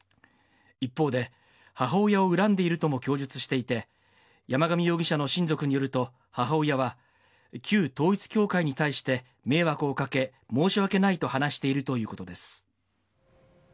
一方で、母親を恨んでいるとも供述していて、山上容疑者の親族によると、母親は旧統一教会に対して迷惑をかけ申し訳ないと話しているということです。